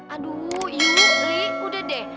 aduh yuk li udah deh